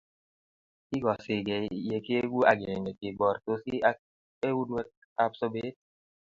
Kigoseengeei ye kiegu agenge kebartosi ak uinweekab sobeet